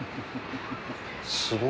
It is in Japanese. すごい。